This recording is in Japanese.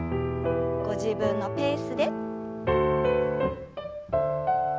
ご自分のペースで。